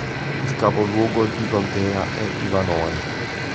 Il capoluogo di contea è Ivanhoe